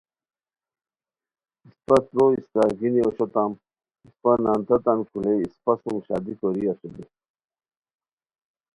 اسپہ تروئے اسپڅار گینی اوشوتام اسپہ نان تتان کھولئے اسپہ سوم شادی کوری اسونی